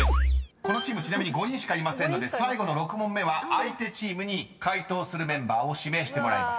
［このチームちなみに５人しかいませんので最後の６問目は相手チームに解答するメンバーを指名してもらいます］